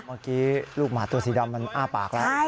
เมื่อกี้ลูกหมาตัวสีดำมันอ้าปากแล้ว